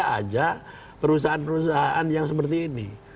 aja perusahaan perusahaan yang seperti ini